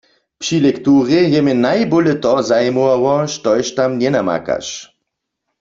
Při lekturje je mje najbóle to zajimowało, štož tam njenamakaš.